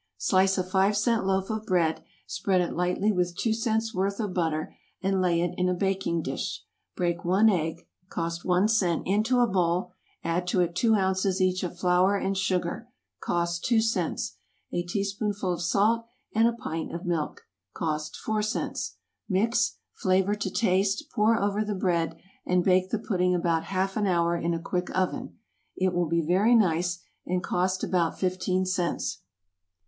= Slice a five cent loaf of bread, spread it lightly with two cents' worth of butter, and lay it in a baking dish; break one egg, (cost one cent,) into a bowl, add to it two ounces each of flour and sugar, (cost two cents,) a teaspoonful of salt, and a pint of milk, (cost four cents;) mix, flavor to taste, pour over the bread, and bake the pudding about half an hour in a quick oven. It will be very nice, and cost about fifteen cents.